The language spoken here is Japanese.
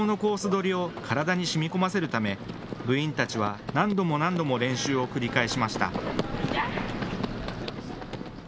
取りを体にしみ込ませるため部員たちは何度も何度も練習を繰り返しました。